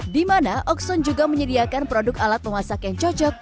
di mana okson juga menyediakan produk alat memasak yang cocok